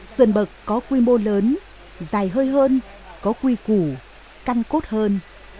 sườn bậc có quy mô lớn dài hơi hơn có quy củ căn cốt hơn